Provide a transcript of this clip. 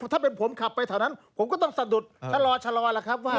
ถ้าเป็นผมขับไปแถวนั้นผมก็ต้องสะดุดชะลอแล้วครับว่า